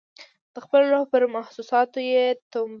د خپل روح پر محسوساتو یې ټومبه